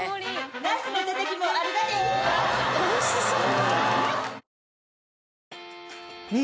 おいしそう！